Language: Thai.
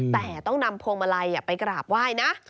แต่ต้องนำพวงมาลัยไปกราบไหว้นะ